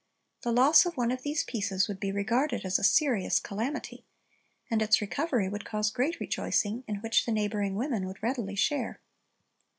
The loss of one of these pieces would be regarded as a serious calamity, and its recovery would cause great rejoicing, in which the neighboring women would readily share.